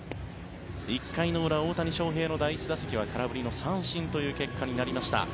１回の裏、大谷翔平の第１打席は空振りの三振という結果になりました。